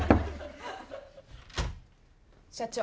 ・社長。